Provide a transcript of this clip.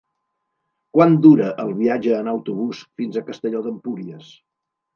Quant dura el viatge en autobús fins a Castelló d'Empúries?